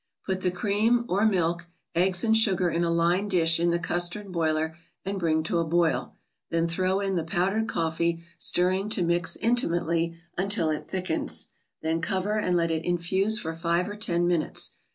Put the cream (or milk), eggs and sugar in a lined dish in the custard boiler and bring to a boil. Then throw in the powdered coffee, stirring to mix intimately, until it thickens. Then cover and let it infuse for five or ten minutes.